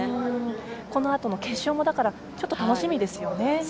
このあとの決勝も楽しみですよね。